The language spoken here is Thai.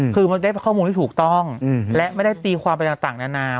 คือมันได้ข้อมูลที่ถูกต้องและไม่ได้ตีความไปต่างนานา